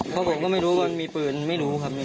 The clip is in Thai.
เพราะผมก็ไม่รู้ว่ามีปืนไม่รู้ครับ